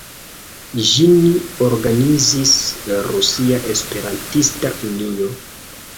Ĝin organizis Rusia Esperantista Unio.